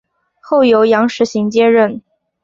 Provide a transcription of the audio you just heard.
后由杨时行接任。